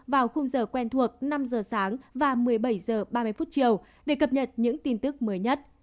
đến giờ quen thuộc năm h sáng và một mươi bảy h ba mươi chiều để cập nhật những tin tức mới nhất